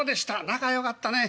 仲よかったね。